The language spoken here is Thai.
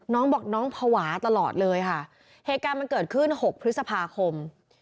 น้องบอกน้องภาวะตลอดเลยค่ะเหตุการณ์มันเกิดขึ้นหกพฤษภาคม